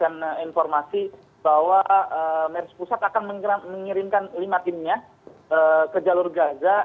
kami mendapatkan informasi bahwa medis pusat akan mengirimkan limatinnya ke jalur gaza